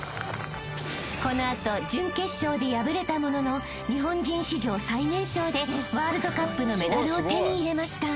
［この後準決勝で敗れたものの日本人史上最年少でワールドカップのメダルを手に入れました］